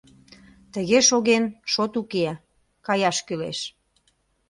Тыге шоген шот уке — каяш кӱлеш.